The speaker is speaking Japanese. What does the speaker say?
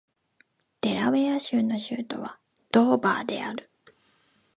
デラウェア州の州都はドーバーである